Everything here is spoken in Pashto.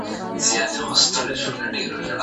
زه به اوږده موده نان خوړلی وم؟